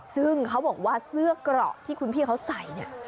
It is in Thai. ซึ่งเขาบอกว่าเสื้อกเหล่าที่คุณพี่เขาใส่